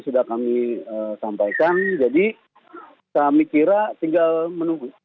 sudah kami sampaikan jadi kami kira tinggal menunggu